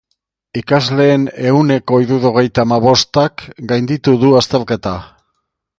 Ikasleen ehuneko hirurogeita hamabostak gainditu du azterketa.